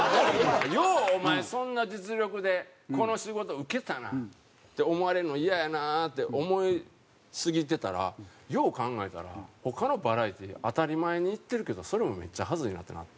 「ようお前そんな実力でこの仕事受けたな」って思われるのイヤやなって思いすぎてたらよう考えたら他のバラエティー当たり前に行ってるけどそれもめっちゃ恥ずいなってなって。